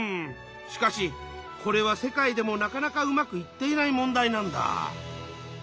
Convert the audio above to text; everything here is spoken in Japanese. しかしこれは世界でもなかなかうまくいっていない問題なんだ。